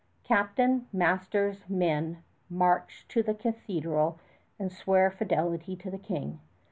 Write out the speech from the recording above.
Captain, masters, men, march to the cathedral and swear fidelity to the King.